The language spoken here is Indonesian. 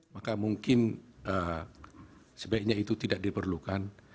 maka mungkin sebaiknya itu tidak diperlukan